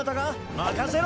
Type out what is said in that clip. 任せろ！